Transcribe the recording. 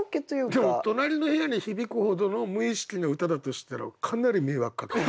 でも隣の部屋に響くほどの無意識の歌だとしたらかなり迷惑かけてる。